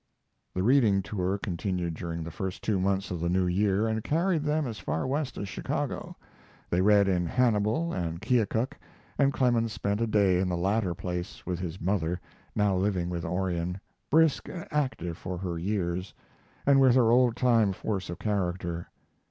The reading tour continued during the first two months of the new year and carried them as far west as Chicago. They read in Hannibal and Keokuk, and Clemens spent a day in the latter place with his mother, now living with Orion, brisk and active for her years and with her old time force of character.